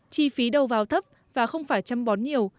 chi phí đầu vào thấp và không phải chăm bón nhiều